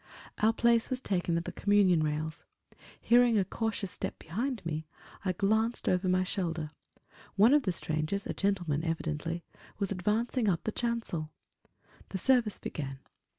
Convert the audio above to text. Our place was taken at the communion rails. Hearing a cautious step behind me, I glanced over my shoulder; one of the strangers a gentleman, evidently was advancing up the chancel. The service began.